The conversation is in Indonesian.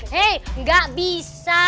hei enggak bisa